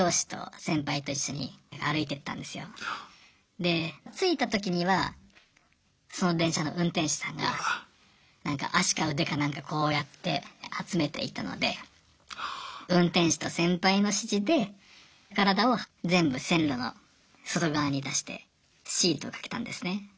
で着いた時にはその電車の運転士さんが足か腕かなんかこうやって集めていたので運転士と先輩の指示で体を全部線路の外側に出してシートを掛けたんですね。